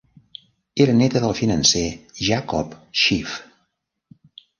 Era néta del financer Jacob Schiff.